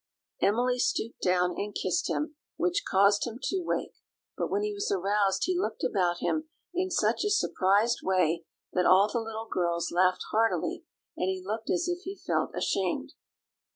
Emily stooped down and kissed him, which caused him to wake; but when he was aroused he looked about him in such a surprised way that all the little girls laughed heartily, and he looked as if he felt ashamed.